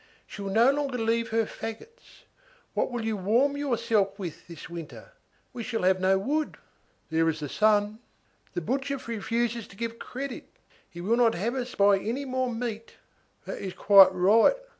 She will no longer leave her fagots. What will you warm yourself with this winter? We shall have no wood." "There is the sun." "The butcher refuses to give credit; he will not let us have any more meat." "That is quite right.